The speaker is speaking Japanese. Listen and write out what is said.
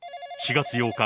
４月８日